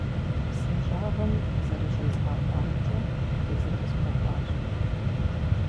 Псынщӏагъэм зэрыщӏезгъэгъуамкӏэ тезыр къысхуэкӏуащ.